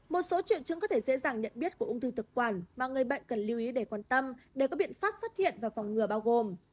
một số triệu chứng có thể dễ dàng nhận biết của ung thư thực quản mà người bệnh cần lưu ý để quan tâm để có biện pháp phát hiện và phòng ngừa bao gồm